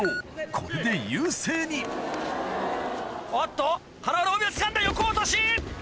これで優勢におっと塙の帯をつかんで横落！